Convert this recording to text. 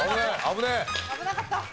危なかった。